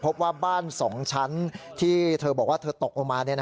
พบว่าบ้าน๒ชั้นที่เธอบอกว่าเธอตกลงมา